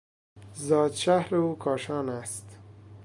زادشهر او کاشان است.